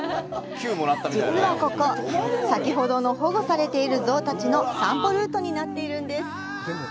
実はここ先ほどの保護されているゾウたちの散歩ルートになっているんです。